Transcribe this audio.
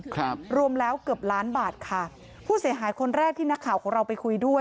ครับรวมแล้วเกือบล้านบาทค่ะผู้เสียหายคนแรกที่นักข่าวของเราไปคุยด้วย